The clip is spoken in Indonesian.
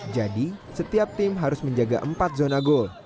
jadi setiap tim harus menjaga empat zona gol